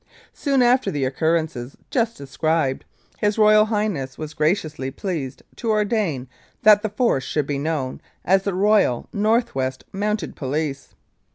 Soon after the occurrences just described, His Royal Highness was graciously pleased to ordain that the Force should be known as the Royal North West Mounted Police.